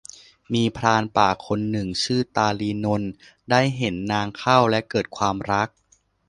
มีพรานป่าคนหนึ่งชื่อตาลีนนท์ ได้เห็นนางเข้าและเกิดความรัก